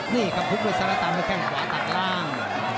นี่ครับครับลูกวีดสาระตามไม่แค่หัวตากล้าง